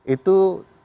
itu terlalu banyak